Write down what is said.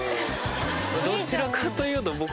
どちらかというと。